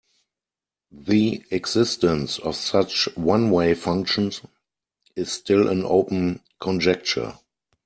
The existence of such one-way functions is still an open conjecture.